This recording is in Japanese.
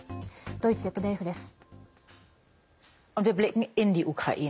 ドイツＺＤＦです。